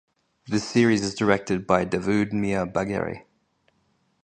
The series is directed by Davood Mir Bagheri.